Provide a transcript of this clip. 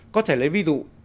có thể lấy ví dụ